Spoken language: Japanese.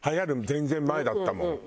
全然前だったもん。